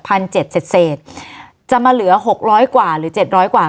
พันเจ็ดเศษจะมาเหลือ๖๐๐กว่าหรือ๗๐๐กว่า